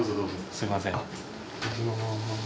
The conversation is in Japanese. すいません。